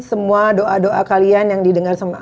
semua doa doa kalian yang didengar sama allah